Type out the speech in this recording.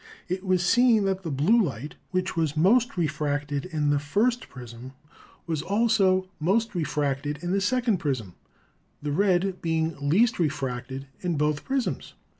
It was seen that the blue light, which was most refracted in the first prism, was also most refracted in the second prism, the red being least refracted in both prisms.